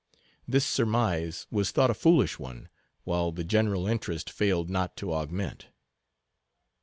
This surmise was thought a foolish one, while the general interest failed not to augment.